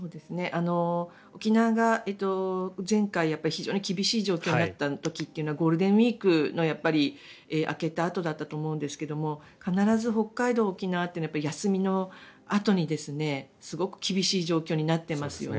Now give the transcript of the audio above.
沖縄が前回非常に厳しい状況になった時というのはゴールデンウィークの明けたあとだったと思うんですが必ず北海道、沖縄は休みのあとにすごく厳しい状況になってますよね。